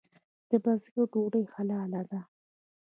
د بزګر ډوډۍ حلاله ده؟